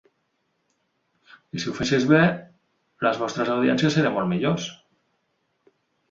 I si ho fessis bé, les vostres audiències serien molt millors.